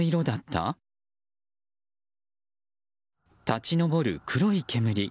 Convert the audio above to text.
立ち上る黒い煙。